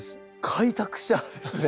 開拓者ですね。